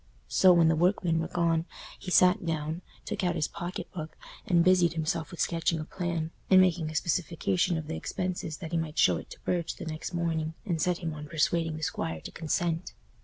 So, when the workmen were gone, he sat down, took out his pocket book, and busied himself with sketching a plan, and making a specification of the expenses that he might show it to Burge the next morning, and set him on persuading the squire to consent.